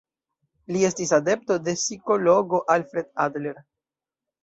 Li estis adepto de psikologo Alfred Adler.